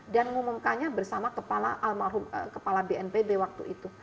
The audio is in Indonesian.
dan mengumumkannya bersama kepala bnpb waktu itu